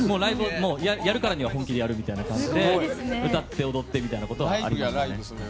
やるからには本気でやるからという感じで歌って踊ってみたいなことはやります。